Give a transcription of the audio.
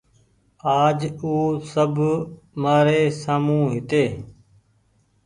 آج او سب مآري سآمون هيتي